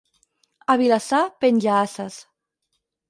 A Vilassar, penja-ases.